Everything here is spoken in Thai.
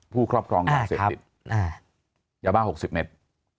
ครอบครองยาเสพติดยาบ้า๖๐เมตร